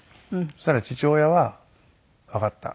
そしたら父親は「わかった。